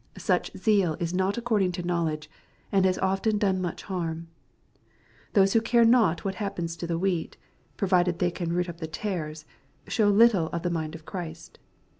Such zeal is not according to knowledge, and has often done much harm. Those who care not what happens to the wheat^ provided they can root up the tares, show little of the mind of Christ.